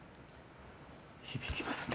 響きますね。